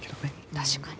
確かに。